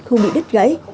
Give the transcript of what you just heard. không bị đứt gãy